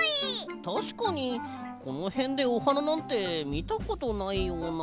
たしかにこのへんでおはななんてみたことないような。